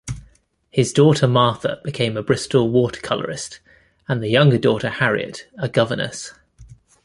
His daughter Martha became a Bristol watercolourist, and the younger daughter Harriet a governess.